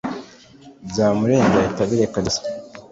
Byamurenze ahita abireka byose